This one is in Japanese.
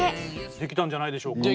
できたんじゃないでしょうか？